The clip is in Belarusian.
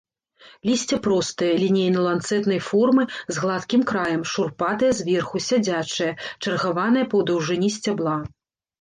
Лісце простае, лінейна-ланцэтнай формы, з гладкім краем, шурпатае зверху, сядзячае, чаргаванае па даўжыні сцябла.